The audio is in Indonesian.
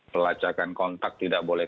pelacakan kontak tidak boleh